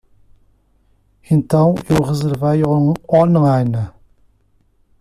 Então eu reservei online.